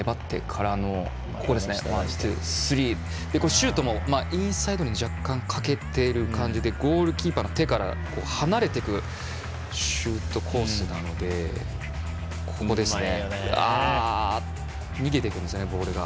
シュートもインサイドに若干かけている感じでゴールキーパーの手から離れていくシュートコースなので逃げていくんですよね、ボールが。